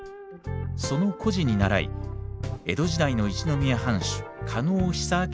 その故事に倣い江戸時代の一宮藩主加納久